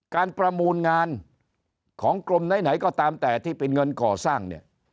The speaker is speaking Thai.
การประมูลงานของกรมไหนก็ตามแต่ที่เป็นเงินก่อสร้างเนี่ย